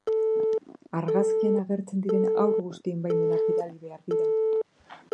Argazkian agertzen diren haur guztien baimenak bidali behar dira.